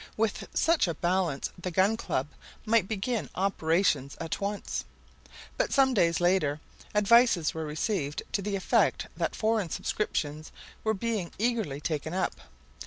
With such a balance the Gun Club might begin operations at once. But some days later advices were received to the effect that foreign subscriptions were being eagerly taken up.